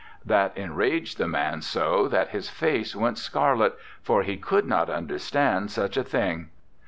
That enraged the man so that his face went scarlet, for he could not understand such a thing.